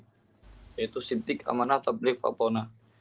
yaitu sintik amanah tabligh faqona